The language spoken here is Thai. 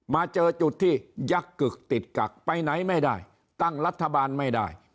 มาเจอจุดที่ยักษึกติดกักไปไหนไม่ได้ตั้งรัฐบาลไม่ได้